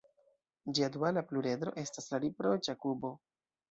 Ĝia duala pluredro estas la riproĉa kubo.